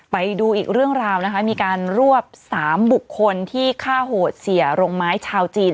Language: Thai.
ไปดูอีกเรื่องราวนะคะมีการรวบ๓บุคคลที่ฆ่าโหดเสียโรงไม้ชาวจีน